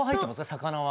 魚は。